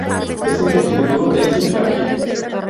Es un tejido duro, denso y frágil.